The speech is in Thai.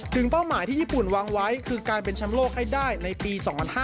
เป้าหมายที่ญี่ปุ่นวางไว้คือการเป็นแชมป์โลกให้ได้ในปี๒๕๕๙